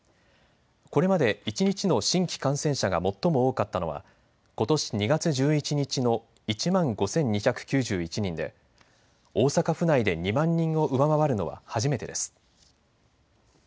これまで一日の新規感染者が最も多かったのはことし２月１１日の１万５２９１人で大阪府内で２万人を上回るのは初めてです。